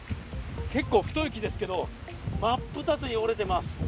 結構、太い木ですけど真っ二つに折れています。